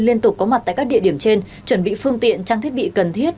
liên tục có mặt tại các địa điểm trên chuẩn bị phương tiện trang thiết bị cần thiết